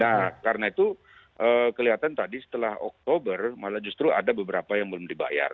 ya karena itu kelihatan tadi setelah oktober malah justru ada beberapa yang belum dibayar